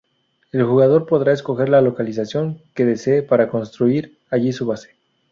El jugador podrá escoger la localización que desee para construir allí su base.